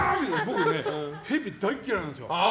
僕、ヘビ大嫌いなんですよ。